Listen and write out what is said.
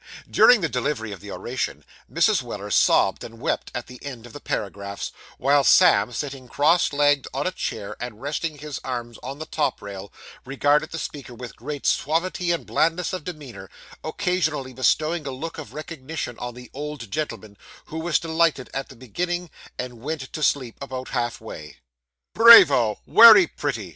During the delivery of the oration, Mrs. Weller sobbed and wept at the end of the paragraphs; while Sam, sitting cross legged on a chair and resting his arms on the top rail, regarded the speaker with great suavity and blandness of demeanour; occasionally bestowing a look of recognition on the old gentleman, who was delighted at the beginning, and went to sleep about half way. 'Brayvo; wery pretty!